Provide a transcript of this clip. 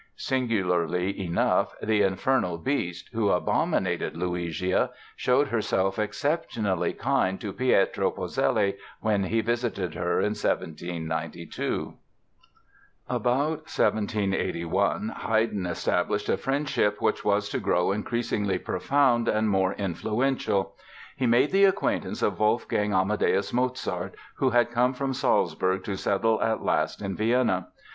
Singularly enough, "the Infernal Beast" who abominated Luigia, showed herself exceptionally kind to Pietro Polzelli when he visited her in 1792. About 1781 Haydn established a friendship which was to grow increasingly profound and more influential. He made the acquaintance of Wolfgang Amadeus Mozart, who had come from Salzburg to settle at last in Vienna.